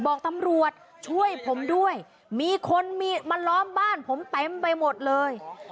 บอกตำรวจช่วยผมด้วยมีคนมีมาล้อมบ้านผมเต็มไปหมดเลย